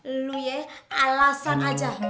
loh lo ya alasan aja